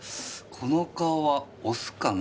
この顔はオスかな？